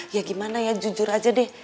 ya gimana ya jujur aja deh